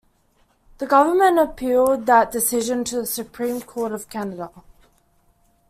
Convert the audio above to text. The Government appealed that decision to the Supreme Court of Canada.